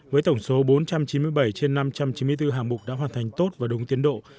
với tổng số bốn trăm chín mươi bảy trên năm trăm chín mươi bốn hạng mục đã hoàn thành tốt và đúng tiến độ